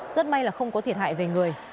ngay là không có thiệt hại về người